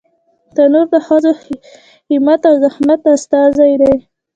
تنور د ښځو همت او زحمت استازی دی